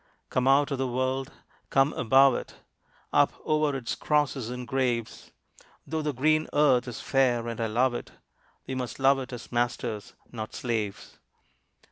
Come out of the world come above it Up over its crosses and graves, Though the green earth is fair and I love it, We must love it as masters, not slaves.